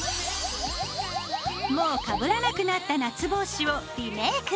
もうかぶらなくなった夏帽子をリメイク！